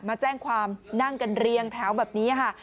มาแจ้งความนั่งกันเรียงแถวแบบนี้ค่ะ